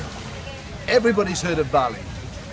semua orang telah mendengar tentang bali